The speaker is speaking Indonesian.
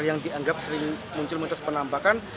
yang dianggap sering muncul mitos penampakan